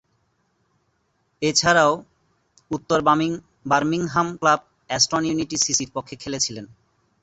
এছাড়াও উত্তর Birmingham club, Aston Unity সিসি’র পক্ষে খেলেছিলেন।